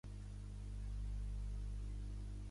Muhammad va fugir però fou capturat i retornat a Bust.